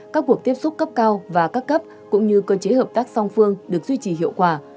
các cuộc tiếp xúc cấp cao và các cấp cũng như cơ chế hợp tác song phương được duy trì hiệu quả